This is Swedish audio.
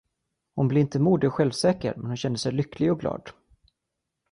Hon blev inte modig och självsäker men hon kände sig lycklig och glad.